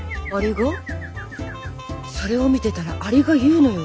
それを見てたらアリが言うのよ。